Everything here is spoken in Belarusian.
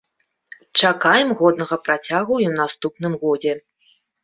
Чакаем годнага працягу і ў наступным годзе.